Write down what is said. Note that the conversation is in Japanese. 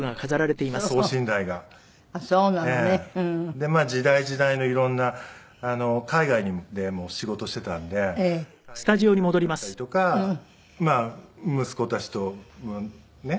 で時代時代の色んな海外でも仕事していたんで海外時代のだったりとか息子たちとねっ。